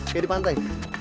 kayak di pantai